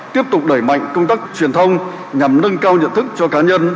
tiếp tục đẩy mạnh công tác truyền thông nhằm nâng cao nhận thức cho cá nhân